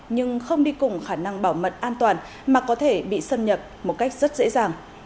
nhưng không đi cùng khả năng bảo mật an toàn mà có thể bị xâm nhập một cách rất dễ dàng